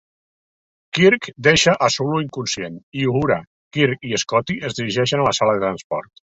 Kirk deixa a Sulu inconscient, i Uhura, Kirk i Scotty es dirigeixen a la sala de transport.